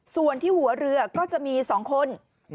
ส่วนที่หัวเรือก็จะมี๒คน